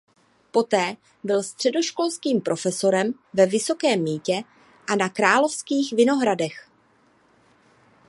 Poté byl středoškolským profesorem ve Vysokém Mýtě a na Královských Vinohradech.